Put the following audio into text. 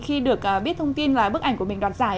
khi được biết thông tin là bức ảnh của mình đoạt giải